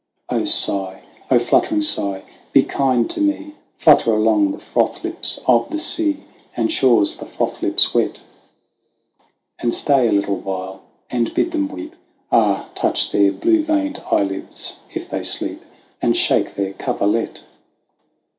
" sigh, fluttering sigh, be kind to me ; Flutter along the froth lips of the sea, And shores, the froth lips wet : 102 THE WANDERINGS OF OISIN And stay a little while, and bid them weep: Ah, touch their blue veined eyelids if they sleep, And shake their coverlet.